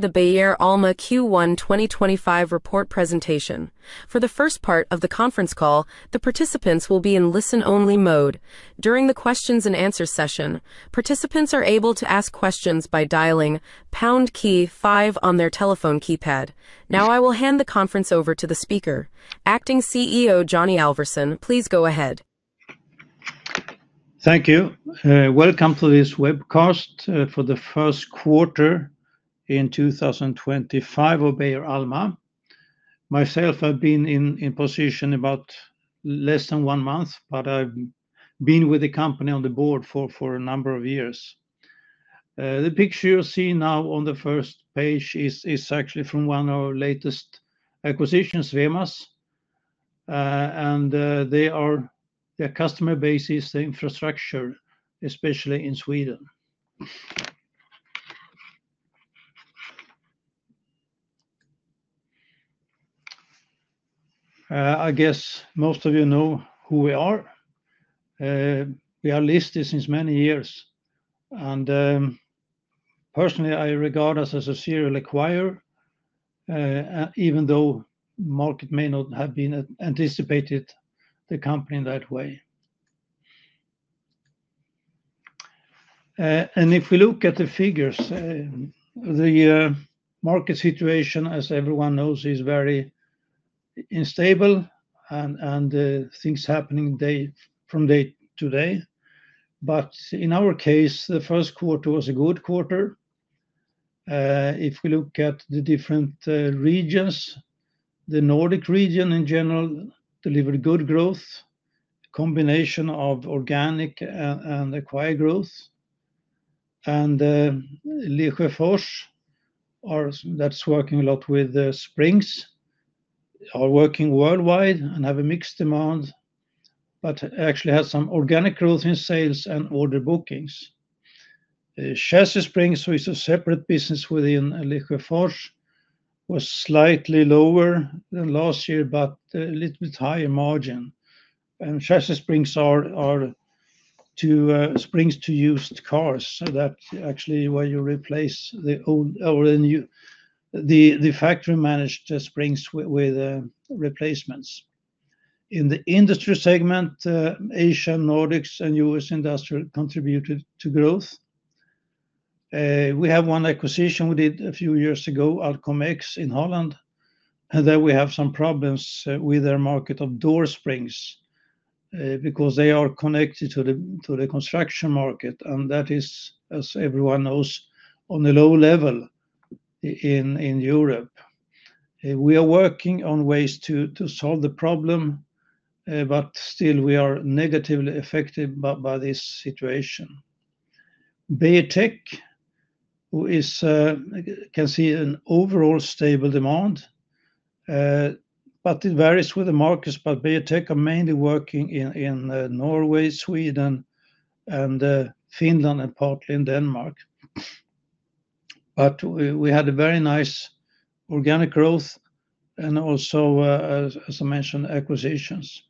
The Beijer Alma Q1 2025 Report Presentation. For the first part of the conference call, the participants will be in listen-only mode. During the questions-and-answers session, participants are able to ask questions by dialing #5 on their telephone keypad. Now I will hand the conference over to the speaker. Acting CEO Johnny Alvarsson, please go ahead. Thank you. Welcome to this webcast for the first quarter in 2025 of Beijer Alma. Myself, I've been in position about less than one month, but I've been with the company on the board for a number of years. The picture you see now on the first page is actually from one of our latest acquisitions, Swemas, and they are their customer base, the infrastructure, especially in Sweden. I guess most of you know who we are. We are listed since many years, and personally, I regard us as a serial acquirer, even though the market may not have anticipated the company in that way. If we look at the figures, the market situation, as everyone knows, is very unstable, and things are happening from day to day. In our case, the first quarter was a good quarter. If we look at the different regions, the Nordic region in general delivered good growth, a combination of organic and acquired growth. Lesjöfors, that's working a lot with springs, are working worldwide and have a mixed demand, but actually have some organic growth in sales and order bookings. Chassis Springs, which is a separate business within Lesjöfors, was slightly lower than last year, but a little bit higher margin. And Chassis Springs are springs to used cars, so that's actually where you replace the old or the new, the factory-managed springs with replacements. In the industry segment, Asian, Nordics, and U.S. industries contributed to growth. We have one acquisition we did a few years ago, Alcomex in Holland, and there we have some problems with their market of door springs because they are connected to the construction market, and that is, as everyone knows, on a low level in Europe. We are working on ways to solve the problem, but still we are negatively affected by this situation. Beijer Tech can see an overall stable demand, but it varies with the markets, and Beijer Tech are mainly working in Norway, Sweden, and Finland, and partly in Denmark. We had a very nice organic growth and also, as I mentioned, acquisitions.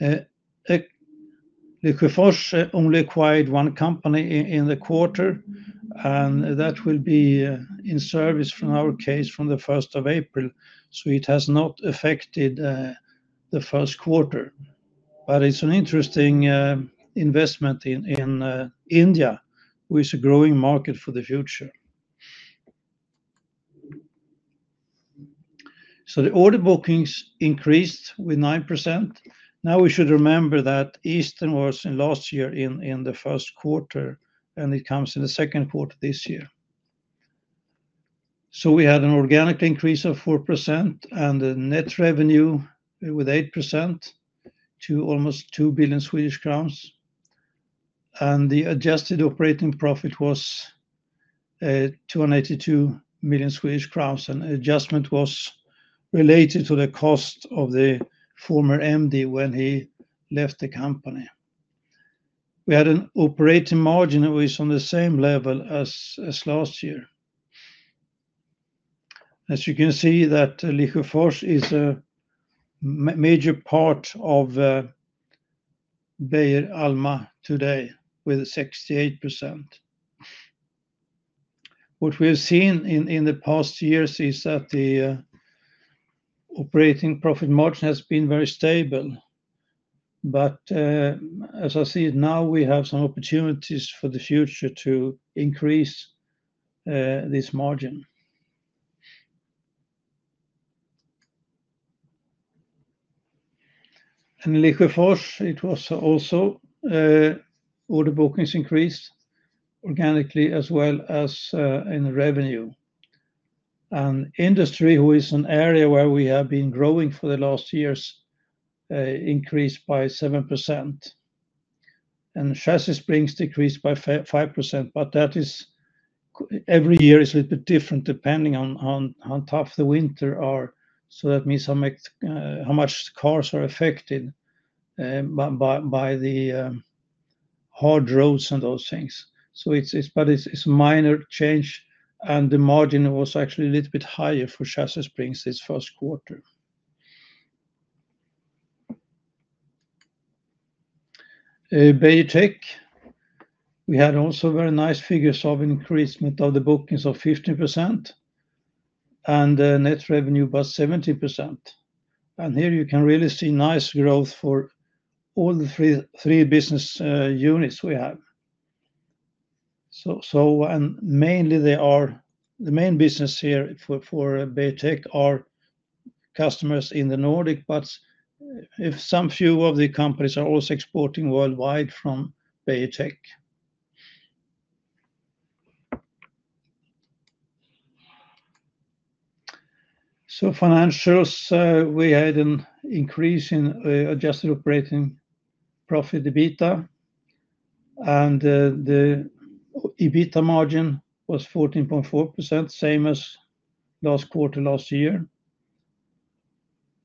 Lesjöfors only acquired one company in the quarter, and that will be in service from our case from the 1st of April, so it has not affected the first quarter. It's an interesting investment in India, which is a growing market for the future. The order bookings increased with 9%. Now we should remember that Easter was in last year in the first quarter, and it comes in the second quarter this year. We had an organic increase of 4%, and the net revenue with 8% to almost 2 billion Swedish crowns, and the adjusted operating profit was 282 million Swedish crowns, and the adjustment was related to the cost of the former MD when he left the company. We had an operating margin that was on the same level as last year. As you can see, Lesjöfors is a major part of Beijer Alma today with 68%. What we have seen in the past years is that the operating profit margin has been very stable, but as I see it now, we have some opportunities for the future to increase this margin. Lesjöfors, it was also order bookings increased organically as well as in revenue. And industry, who is an area where we have been growing for the last years, increased by 7%. Chassis Springs decreased by 5%, but that is every year is a little bit different depending on how tough the winter are, so that means how much cars are affected by the hard roads and those things. It is a minor change, and the margin was actually a little bit higher for Chassis Springs this first quarter. Beijer Tech, we had also very nice figures of increase of the bookings of 15% and net revenue by 17%. Here you can really see nice growth for all the three business units we have. Mainly, the main business here for Beijer Tech are customers in the Nordic, but a few of the companies are also exporting worldwide from Beijer Tech. Financials, we had an increase in adjusted operating profit, EBITDA, and the EBITDA margin was 14.4%, same as last quarter last year.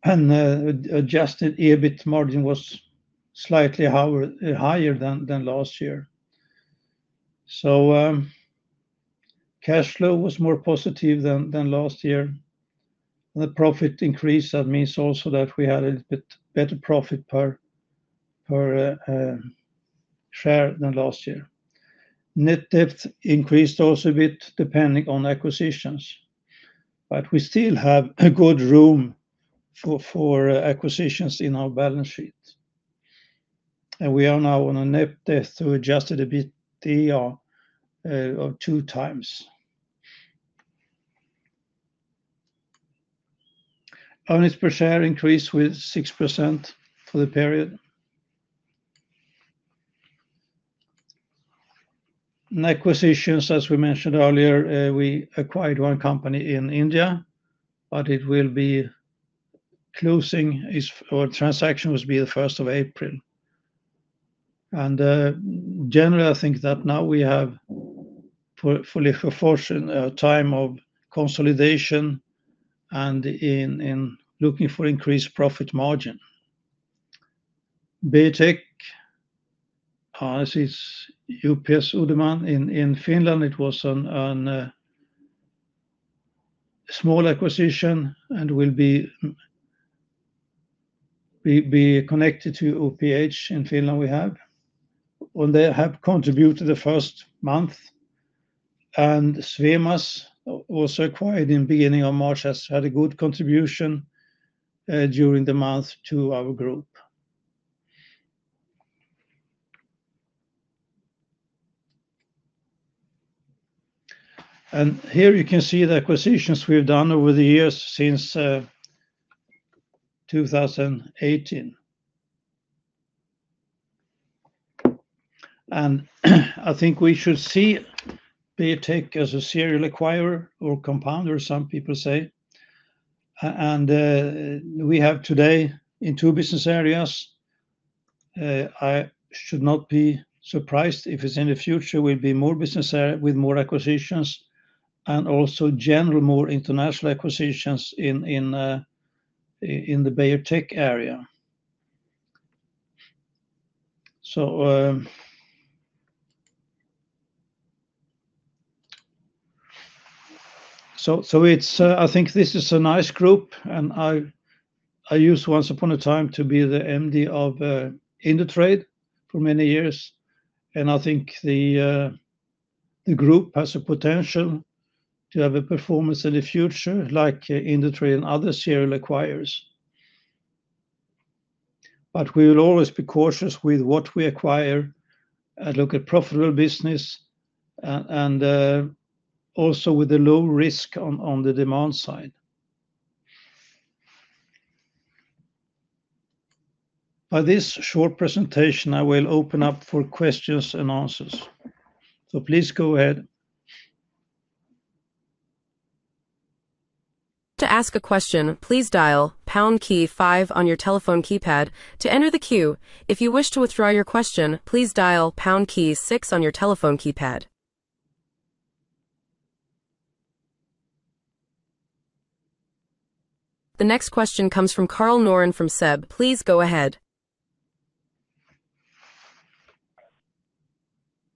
Adjusted EBIT margin was slightly higher than last year. Cash flow was more positive than last year. The profit increase, that means also that we had a little bit better profit per share than last year. Net debt increased also a bit depending on acquisitions, but we still have good room for acquisitions in our balance sheet. We are now on a net debt to adjusted EBITDA of 2 times. Earnings per share increased with 6% for the period. Acquisitions, as we mentioned earlier, we acquired one company in India, but it will be closing or transaction will be the 1st of April. Generally, I think that now we have for Lesjöfors a time of consolidation and in looking for increased profit margin. Beijer Tech, this is UPS Uudenmaan in Finland, it was a small acquisition and will be connected to OPH in Finland we have. They have contributed the first month, and Vemas was acquired in the beginning of March, has had a good contribution during the month to our group. Here you can see the acquisitions we have done over the years since 2018. I think we should see Beijer Tech as a serial acquirer or compounder, some people say. We have today in two business areas. I should not be surprised if in the future we'll be more business area with more acquisitions and also general more international acquisitions in the Beijer Tech area. I think this is a nice group, and I used once upon a time to be the MD of Indutrade for many years, and I think the group has the potential to have a performance in the future like Indutrade and other serial acquirers. We will always be cautious with what we acquire and look at profitable business and also with the low risk on the demand side. By this short presentation, I will open up for questions and answers. Please go ahead. To ask a question, please dial #5 on your telephone keypad to enter the queue. If you wish to withdraw your question, please dial #6 on your telephone keypad. The next question comes from Karl Noren from SEB. Please go ahead.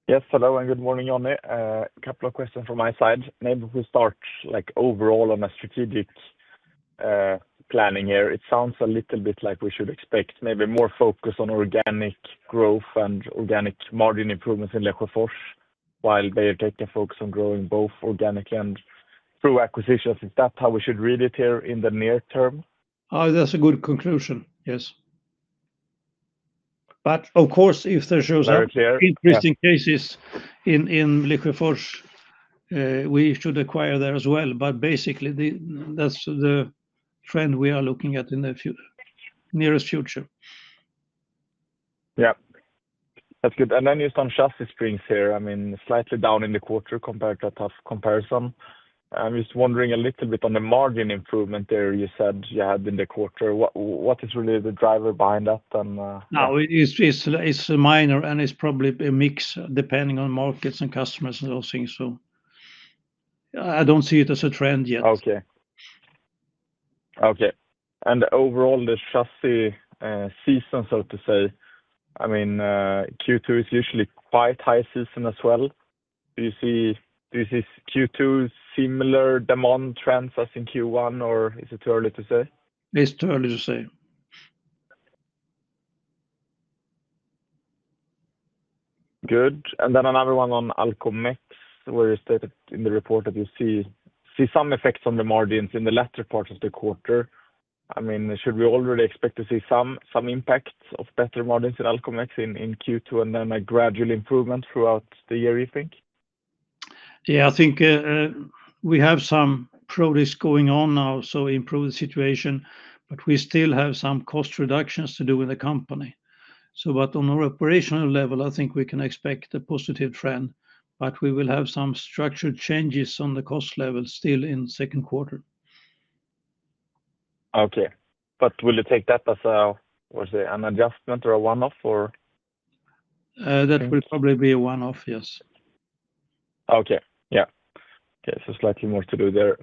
Yes, hello and good morning, Johnny. A couple of questions from my side. Maybe we start overall on a strategic planning here. It sounds a little bit like we should expect maybe more focus on organic growth and organic margin improvements in Lesjöfors, while Beijer Tech can focus on growing both organically and through acquisitions. Is that how we should read it here in the near term? That's a good conclusion, yes. Of course, if there's interesting cases in Lesjöfors, we should acquire there as well. Basically, that's the trend we are looking at in the nearest future. Yeah, that's good. You saw Chassis Springs here, I mean, slightly down in the quarter compared to a tough comparison. I'm just wondering a little bit on the margin improvement there you said you had in the quarter. What is really the driver behind that? No, it's minor and it's probably a mix depending on markets and customers and those things. I don't see it as a trend yet. Okay. Okay. And overall, the chassis season, so to say, I mean, Q2 is usually quite high season as well. Do you see Q2 similar demand trends as in Q1, or is it too early to say? It's too early to say. Good. Then another one on Alcomex, where you stated in the report that you see some effects on the margins in the latter part of the quarter. I mean, should we already expect to see some impacts of better margins in Alcomex in Q2 and then a gradual improvement throughout the year, you think? Yeah, I think we have some produce going on now, so improved situation, but we still have some cost reductions to do with the company. On our operational level, I think we can expect a positive trend, but we will have some structured changes on the cost level still in the second quarter. Okay. Will you take that as an adjustment or a one-off, or? That will probably be a one-off, yes. Okay. Yeah. Okay. Slightly more to do there.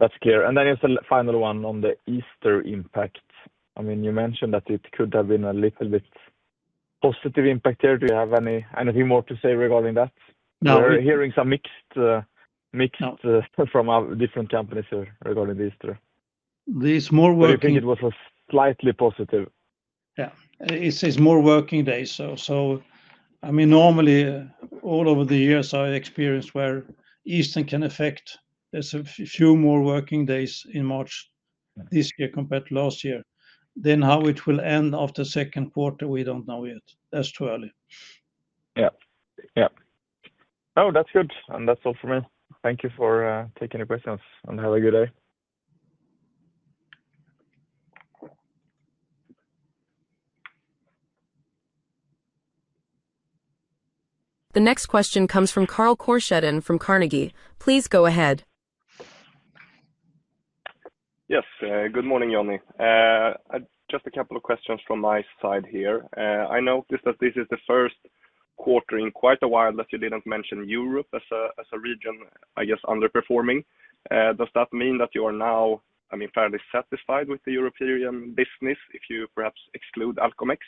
That's clear. Then it's a final one on the Easter impact. I mean, you mentioned that it could have been a little bit positive impact here. Do you have anything more to say regarding that? We're hearing some mixed from different companies regarding the Easter. There's more working. I think it was a slightly positive. Yeah. It's more working days. I mean, normally all over the years, I experienced where Easter can affect a few more working days in March this year compared to last year. How it will end after second quarter, we don't know yet. That's too early. Yeah. Yeah. No, that's good. That is all for me. Thank you for taking the questions and have a good day. The next question comes from Carl Korsheden from Carnegie. Please go ahead. Yes, good morning, Johnny. Just a couple of questions from my side here. I noticed that this is the first quarter in quite a while that you did not mention Europe as a region, I guess, underperforming. Does that mean that you are now, I mean, fairly satisfied with the European business if you perhaps exclude Alcomex,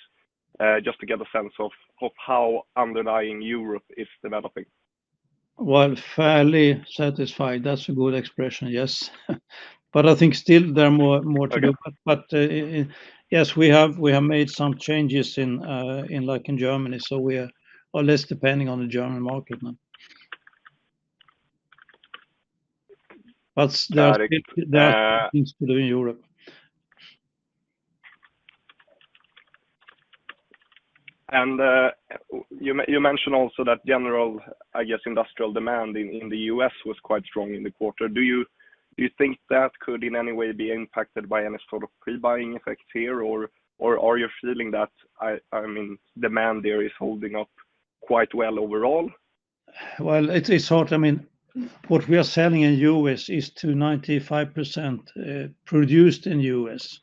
just to get a sense of how underlying Europe is developing? Fairly satisfied. That's a good expression, yes. I think still there are more to do. Yes, we have made some changes in, like in Germany, so we are less depending on the German market now. There are things to do in Europe. You mentioned also that general, I guess, industrial demand in the U.S. was quite strong in the quarter. Do you think that could in any way be impacted by any sort of pre-buying effect here, or are you feeling that, I mean, demand there is holding up quite well overall? It's hard. I mean, what we are selling in the U.S. is to 95% produced in the U.S.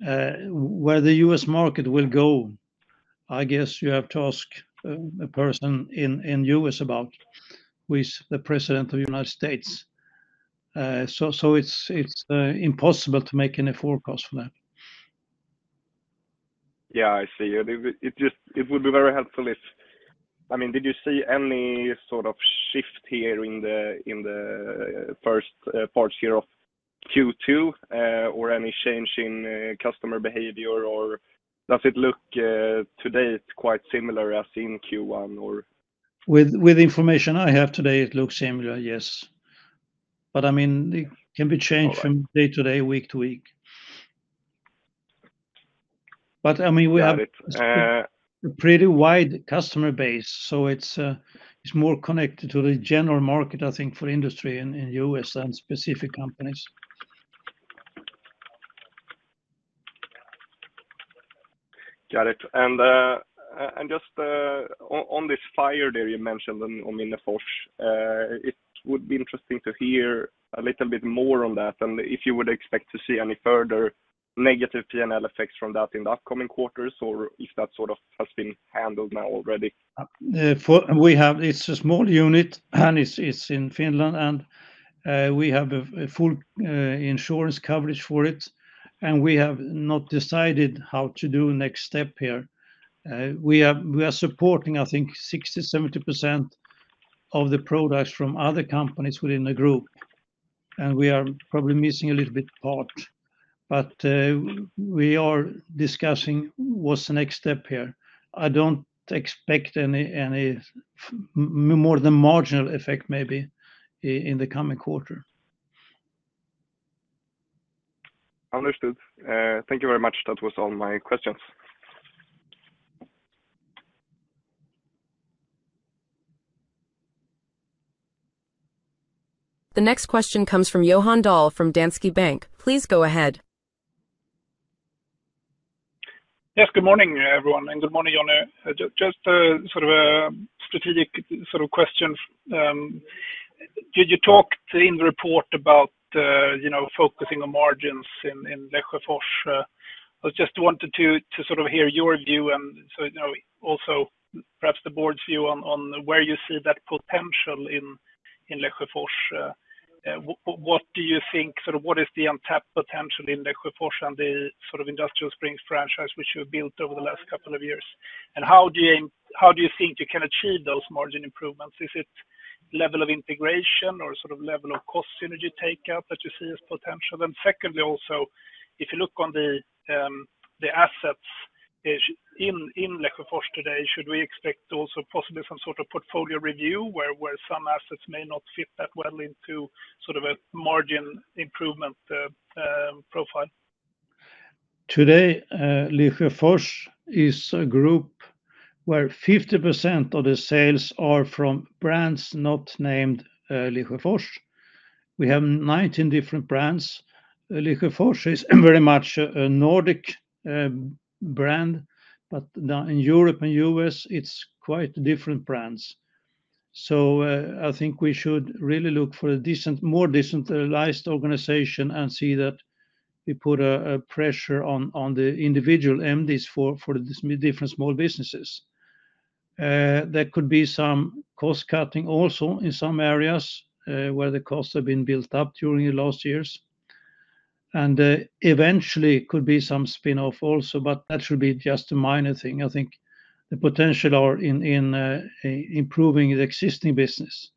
Where the U.S. market will go, I guess you have to ask a person in the U.S. about, who is the president of the United States. It's impossible to make any forecast for that. Yeah, I see. It would be very helpful if, I mean, did you see any sort of shift here in the first part here of Q2 or any change in customer behavior, or does it look today quite similar as in Q1? With the information I have today, it looks similar, yes. I mean, it can be changed from day to day, week to week. I mean, we have a pretty wide customer base, so it's more connected to the general market, I think, for industry in the U.S. and specific companies. Got it. Just on this fire you mentioned on Lesjöfors, it would be interesting to hear a little bit more on that and if you would expect to see any further negative P&L effects from that in the upcoming quarters or if that sort of has been handled now already. We have, it's a small unit and it's in Finland, and we have full insurance coverage for it. We have not decided how to do next step here. We are supporting, I think, 60-70% of the products from other companies within the group. We are probably missing a little bit part, but we are discussing what's the next step here. I don't expect any more than marginal effect maybe in the coming quarter. Understood. Thank you very much. That was all my questions. The next question comes from Johan Dahl from Danske Bank. Please go ahead. Yes, good morning, everyone, and good morning, Johnny. Just sort of a strategic sort of question. Did you talk in the report about focusing on margins in Lesjöfors? I just wanted to sort of hear your view and also perhaps the board's view on where you see that potential in Lesjöfors. What do you think, sort of what is the untapped potential in Lesjöfors and the sort of Industrial Springs franchise which you built over the last couple of years? How do you think you can achieve those margin improvements? Is it level of integration or sort of level of cost synergy takeout that you see as potential? Secondly, also if you look on the assets in Lesjöfors today, should we expect also possibly some sort of portfolio review where some assets may not fit that well into sort of a margin improvement profile? Today, Lesjöfors is a group where 50% of the sales are from brands not named Lesjöfors. We have 19 different brands. Lesjöfors is very much a Nordic brand, but in Europe and the U.S., it's quite different brands. I think we should really look for a more decentralized organization and see that we put pressure on the individual MDs for the different small businesses. There could be some cost cutting also in some areas where the costs have been built up during the last years. Eventually, it could be some spin-off also, but that should be just a minor thing. I think the potential is in improving the existing business.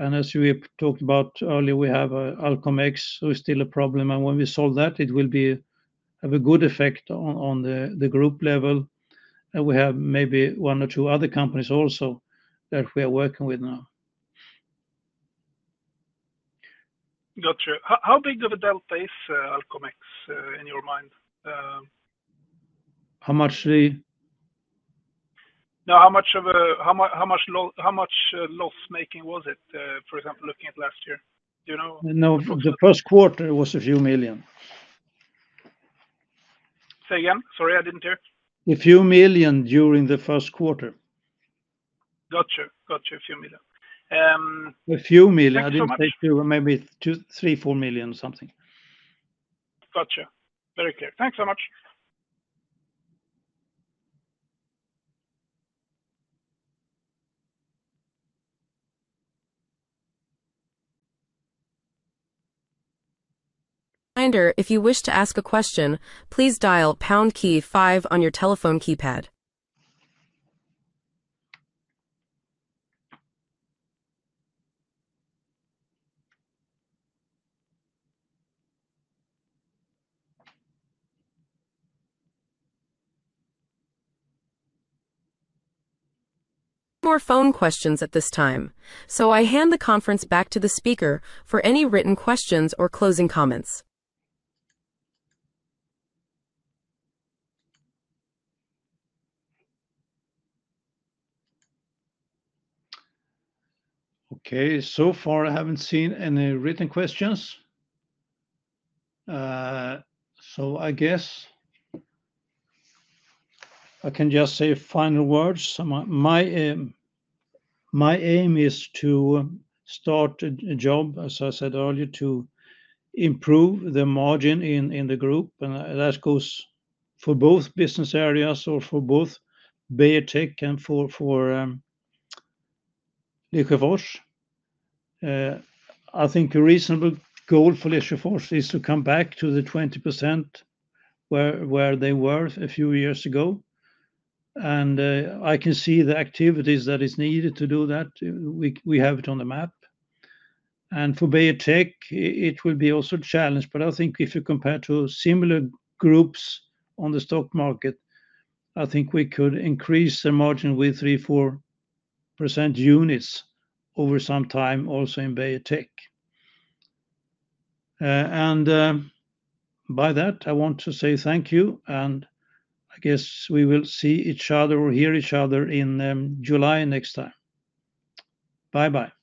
As we talked about earlier, we have Alcomex, so it's still a problem. When we solve that, it will have a good effect on the group level. We have maybe one or two other companies also that we are working with now. Gotcha. How big of a delta is Alcomex in your mind? How much? No, how much loss-making was it, for example, looking at last year? Do you know? No, the first quarter was a few million. Say again? Sorry, I didn't hear. A few million during the first quarter. Gotcha. Gotcha. A few million. A few million. I didn't take two, maybe three, four million or something. Gotcha. Very clear. Thanks so much. Reminder, if you wish to ask a question, please dial #5 on your telephone keypad. More phone questions at this time. I hand the conference back to the speaker for any written questions or closing comments. Okay. So far, I haven't seen any written questions. I guess I can just say final words. My aim is to start a job, as I said earlier, to improve the margin in the group. That goes for both business areas or for both Beijer Tech and for Lesjöfors. I think a reasonable goal for Lesjöfors is to come back to the 20% where they were a few years ago. I can see the activities that are needed to do that. We have it on the map. For Beijer Tech, it will be also a challenge. I think if you compare two similar groups on the stock market, I think we could increase the margin with 3-4% units over some time also in Beijer Tech. By that, I want to say thank you. I guess we will see each other or hear each other in July next time. Bye-bye.